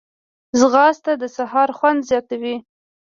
ځغاسته د سهار خوند زیاتوي